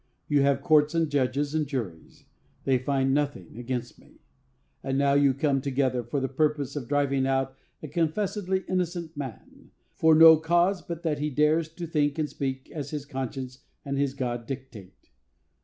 You have courts and judges and juries; they find nothing against me. And now you come together for the purpose of driving out a confessedly innocent man, for no cause but that he dares to think and speak as his conscience and his God dictate.